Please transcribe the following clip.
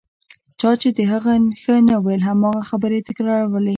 چا چې د هغه ښه نه ویل هماغه خبرې تکرارولې.